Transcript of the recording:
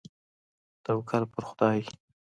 توکل په خدای.